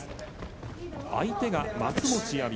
相手が松持亜美。